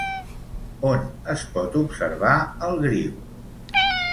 On es pot observar el griu?